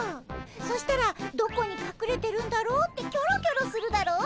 そしたらどこにかくれてるんだろうってキョロキョロするだろ？